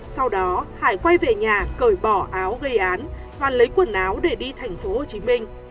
sau đó hải quay về nhà cởi bỏ áo gây án và lấy quần áo để đi thành phố hồ chí minh